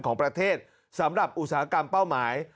ของประเทศสำหรับอุตสาหกรรมเป้าหมาย